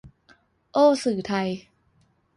โอ้สื่อไทย